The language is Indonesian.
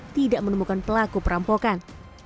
tidak menemukan pelaku perampokan